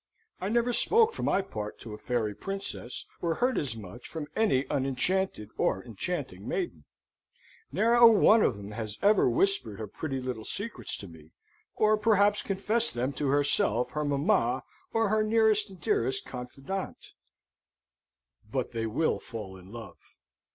I never spoke for my part to a fairy princess, or heard as much from any unenchanted or enchanting maiden. Ne'er a one of them has ever whispered her pretty little secrets to me, or perhaps confessed them to herself, her mamma, or her nearest and dearest confidante. But they will fall in love.